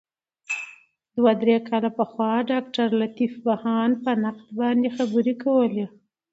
دوه درې کاله پخوا ډاګټرلطیف بهاند په نقد باندي خبري کولې.